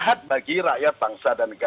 hal hal yang terjadi